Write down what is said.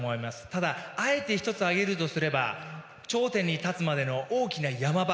ただ、あえて１つ挙げるとすれば頂点に立つまでの大きな山場